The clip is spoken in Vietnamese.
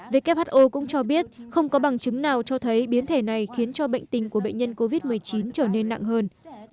who cũng cho biết không có bằng chứng nào cho thấy biến thể này khiến cho bệnh tình của bệnh nhân covid một mươi chín trở nên nặng hơn